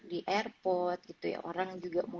di airport gitu ya orang juga